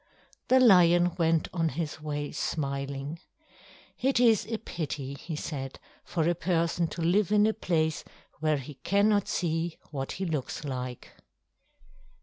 The lion went on his way smiling. "It is a pity," he said, "for a person to live in a place where he cannot see what he looks like."